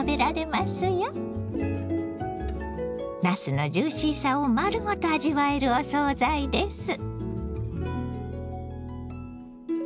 なすのジューシーさを丸ごと味わえるお総菜です。